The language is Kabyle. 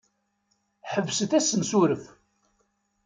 Ḥebset assensuref.